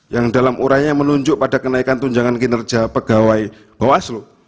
yang dalam urainya menunjuk pada kenaikan tunjangan kinerja pegawai bawaslu